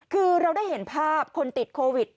คือเราได้เห็นภาพคนติดโควิด